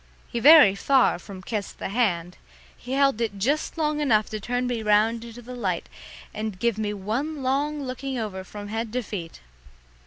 He very far from kissed the hand; he held it just long enough to turn me round into the light and give me one long looking over from head to feet.